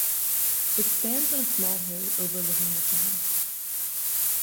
It stands on a small hill, overlooking the town.